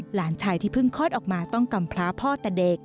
หลานชายที่เพิ่งคลอดออกมาต้องกำพลาพ่อแต่เด็ก